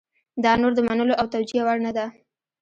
دا نور د منلو او توجیه وړ نه ده.